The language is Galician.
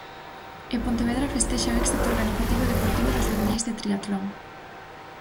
E Pontevedra festexa o éxito organizativo e deportivo dos mundiais de tríatlon.